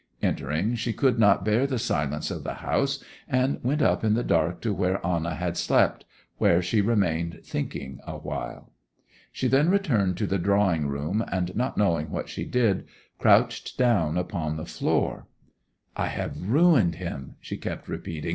Entering, she could not bear the silence of the house, and went up in the dark to where Anna had slept, where she remained thinking awhile. She then returned to the drawing room, and not knowing what she did, crouched down upon the floor. 'I have ruined him!' she kept repeating.